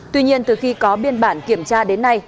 tuy nhiên từ khi có biên bản kiểm tra đến nay